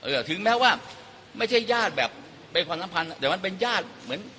ถึงแม้ว่าไม่ใช่ญาติแบบเป็นความสัมพันธ์แต่มันเป็นญาติเหมือน